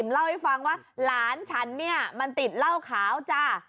ร้านฉันเนี่ยมันติดเหล้าขาวจ้า